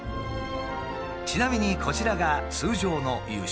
ちなみにこちらが通常の夕食。